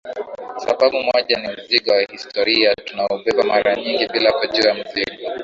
Sababu moja ni mzigo wa historia tunaoubeba mara nyingi bila kujua Mzigo